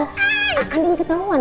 aduh mbak andin ketauan ya